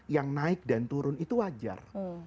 yang naik dan turun itu wajar